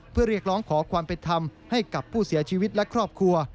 เพื่อเรียกร้องขอความเป็นธรรมให้กับผู้เสียชีวิตและครอบครัว